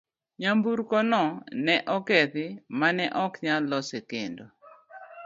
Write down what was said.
Nyamburko no ne okethi ma ne ok nyal lose kendo.